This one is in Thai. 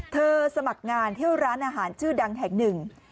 สมัครงานเที่ยวร้านอาหารชื่อดังแห่งหนึ่ง